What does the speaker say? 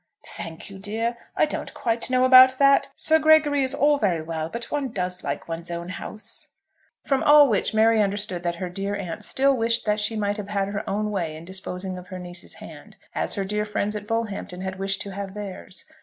"Thank you, dear. I don't quite know about that. Sir Gregory is all very well; but one does like one's own house." From all which Mary understood that her dear aunt still wished that she might have had her own way in disposing of her niece's hand, as her dear friends at Bullhampton had wished to have theirs.